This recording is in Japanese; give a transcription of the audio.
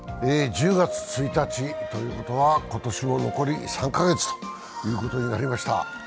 １０月１日ということは今年も残り３か月となりました。